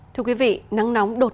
thưa quý vị nắng nóng đột ngột